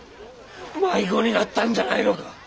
迷子になったんじゃないのか。